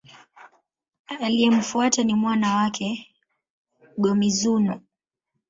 Aliyemfuata ni mwana wake, Go-Mizunoo.